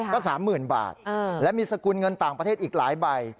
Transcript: ก็๓๐๐๐บาทและมีสกุลเงินต่างประเทศอีกหลายใบ